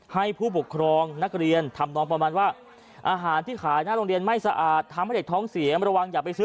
ให้ผู้ปกครองนักเรียนทำลองประมาณว่า